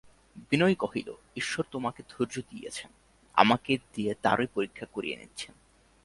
বিনয় কহিল, ঈশ্বর তোমাকে ধৈর্য দিয়েছেন, আমাকে দিয়ে তারই পরীক্ষা করিয়ে নিচ্ছেন।